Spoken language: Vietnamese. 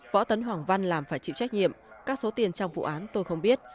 võ tấn hoàng văn làm phải chịu trách nhiệm các số tiền trong vụ án tôi không biết